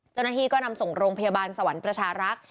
เจ้าหน้าที่ก็นำส่งโรงพยาบาลสวรรค์ประชารักษ์